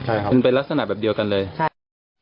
เห็นประมาณ๓กลุ่มครับ